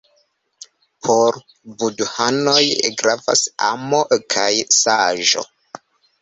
Por budhanoj gravas amo kaj saĝo.